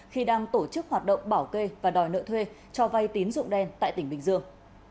khi đang tổ chức hoạt động bảo kê và đòi nợ thuê cho vay tín dụng đen tại tỉnh bình dương